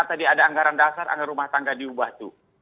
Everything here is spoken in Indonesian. anggaran dasar anggaran rumah tangga diubah tuh